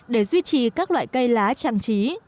để duy trì các loại cây lá trang trí